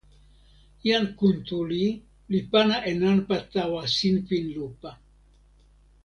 jan Kuntuli li pana e nanpa tawa sinpin lupa.